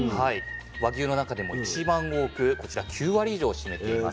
和牛の中でも一番多くこちら９割以上を占めています。